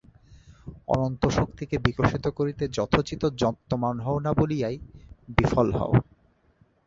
অনন্ত শক্তিকে বিকশিত করিতে যথোচিত যত্নবান হও না বলিয়াই বিফল হও।